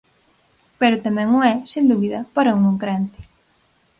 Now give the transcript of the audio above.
Pero tamén o é, sen dúbida, para un non crente.